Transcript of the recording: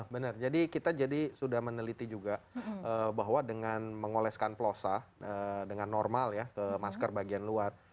benar jadi kita jadi sudah meneliti juga bahwa dengan mengoleskan plosa dengan normal ya ke masker bagian luar